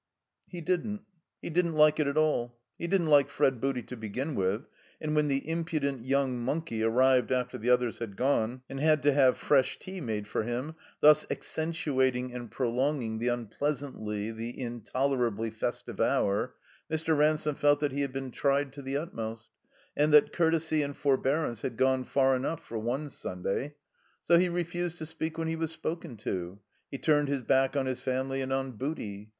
He didn't. He didn't Kke it at all. He didn't like Fred Booty to begin with, and when the im pudent young monkey arrived after the others had gone, and had to have fresh tea made for him, thus accentuating and prolonging the unpleasantly, the intolerably festive hour, Mr. Ransome felt that he THE COMBINED MAZE had been tried to the utmost, and that courtesy and forbearance had gone far enough for one Sunday. So he refused to speak when he was spoken to. He turned his back on his family and on Booty.